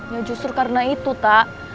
ya justru karena itu tak